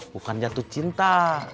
bukan jatuh cinta